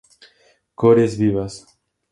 Cores vivas.